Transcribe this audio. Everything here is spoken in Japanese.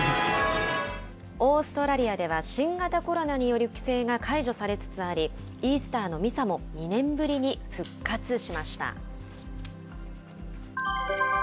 オーストラリアでは新型コロナによる規制が解除されつつあり、イースターのミサも２年ぶりに復活しました。